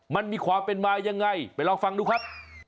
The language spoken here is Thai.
มันมีความเป็นมายังไงไปลองฟังดูครับ